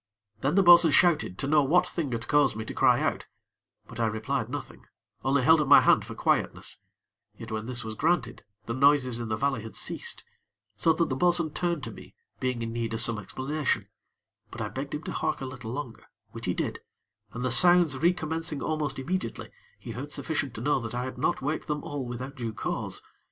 Then the bo'sun shouted, to know what thing had caused me to cry out; but I replied nothing, only held up my hand for quietness, yet when this was granted, the noises in the valley had ceased; so that the bo'sun turned to me, being in need of some explanation; but I begged him to hark a little longer, which he did, and, the sounds re commencing almost immediately, he heard sufficient to know that I had not waked them all without due cause.